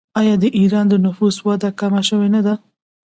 آیا د ایران د نفوس وده کمه شوې نه ده؟